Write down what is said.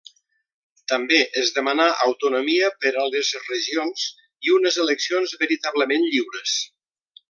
També es demanà autonomia per a les regions i unes eleccions veritablement lliures.